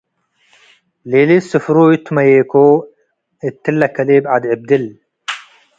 ሊሊት ስፍሩይ ትመዬኮ - እትለ ከሌብ ዐድ ዕብድል